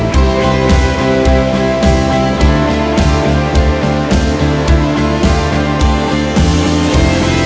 ขอบคุณมากค่ะ